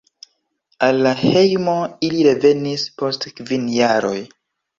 Al la hejmo ili revenis post kvin jaroj.